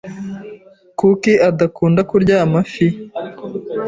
Kuki adakunda kurya amafi?